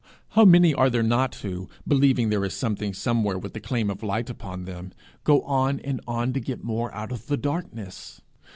How many are there not who, believing there is something somewhere with the claim of light upon them, go on and on to get more out of the darkness!